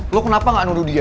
lo kenapa gak nuduh dia